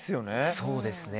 そうですね。